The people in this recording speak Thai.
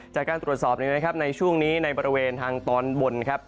จากการตรวจสอบในช่วงนี้ในบริเวณทางตอนบนครับ